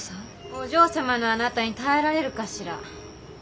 お嬢様のあなたに耐えられるかしら？